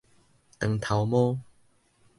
長頭毛